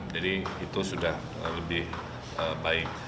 jadi itu sudah lebih baik